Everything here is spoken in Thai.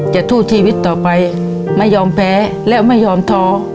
จะสู้ชีวิตต่อไปไม่ยอมแพ้และไม่ยอมท้อ